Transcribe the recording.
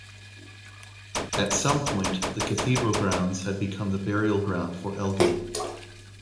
At some point the cathedral grounds had become the burial ground for Elgin.